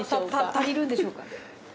足りるんでしょうか？